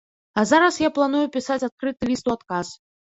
А зараз я планую пісаць адкрыты ліст у адказ.